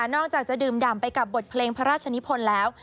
อกจากจะดื่มดำไปกับบทเพลงพระราชนิพลแล้ว